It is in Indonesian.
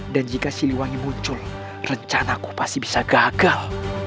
dan jika siliwangi muncul rencana aku pasti bisa gagal